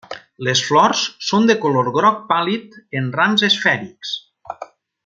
Les flors són de color groc pàl·lid en rams esfèrics.